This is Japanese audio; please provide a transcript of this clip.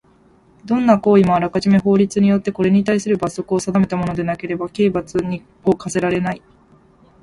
どんな行為もあらかじめ法律によってこれにたいする罰則を定めたものでなければ刑罰を科せられない。